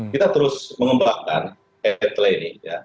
kita terus mengembangkan headle ini